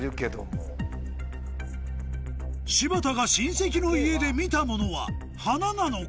柴田が親戚の家で見たものは花なのか？